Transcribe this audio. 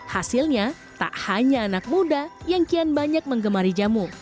hasilnya tak hanya anak muda yang kian banyak mengemari jamu